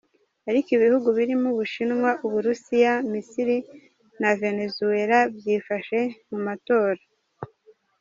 Ariko ibihugu birimo u Bushinwa, u Burusiya, Misiri na Venezuela byifashe mu matora.